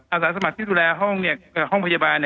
อาสาสมัครที่ดูแลห้องพยาบาล